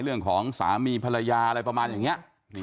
เรื่องของสามีภรรยาอะไรประมาณอย่างนี้